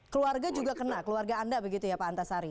keluarga juga kena keluarga anda begitu ya pak antasari